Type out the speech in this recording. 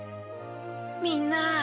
みんな。